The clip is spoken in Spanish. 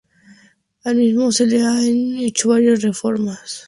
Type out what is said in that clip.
Al mismo se le han hecho varias reformas.